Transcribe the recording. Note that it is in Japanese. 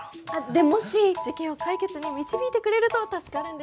でもし事件を解決に導いてくれると助かるんですけど。